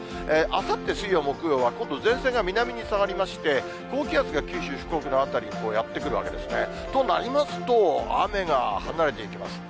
あさって水曜、木曜は、今度前線が南に下がりまして、高気圧が九州、福岡の辺りにやって来るわけですね。となりますと、雨が離れていきます。